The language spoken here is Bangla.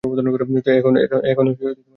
এখন তুমিও করো।